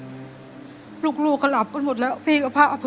แล้วตอนนี้พี่พากลับไปในสามีออกจากโรงพยาบาลแล้วแล้วตอนนี้จะมาถ่ายรายการ